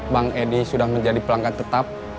bang edi sudah menjadi pelanggan tetap